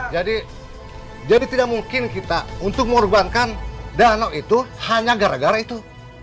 jadi jadi tidak mungkin kita untuk mengorbankan danau itu hanya gara gara itu